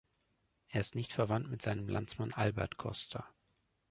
Er ist nicht verwandt mit seinem Landsmann Albert Costa.